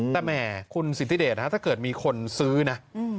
แต่แหมคุณสีที่ดีทถ้าเกิดมีคนซื้อนะ